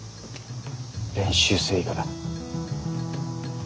練習生以下だ。